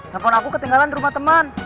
telepon aku ketinggalan rumah teman